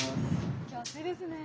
今日暑いですね。